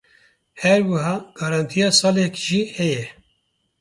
Her wiha garantiya salekê jî heye.